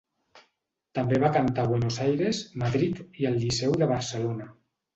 També va cantar a Buenos Aires, Madrid i al Liceu de Barcelona.